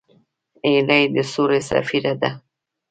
هیلۍ د سولې سفیره ده